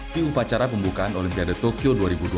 di upacara pembukaan olimpiade tokyo dua ribu dua puluh